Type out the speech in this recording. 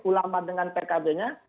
ulama dengan pkb nya